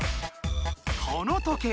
この時計